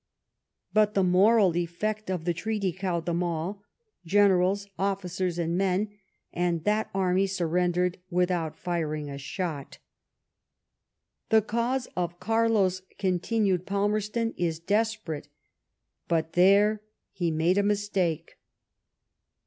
But the moral effect of the treaty cowed them all — ^generals, officers, and men ; and that army surrendered without firing a shot. "The cause of Carlos,'* continued Palmerston, "is desperate *'; but there he made a mistake.